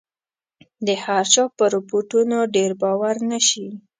د هرچا په رپوټونو ډېر باور نه شي.